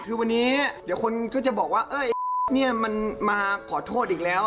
คือวันนี้เดี๋ยวคนก็จะบอกว่านี่มันมาขอโทษอีกแล้ว